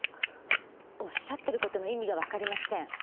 おっしゃっていることの意味がわかりません。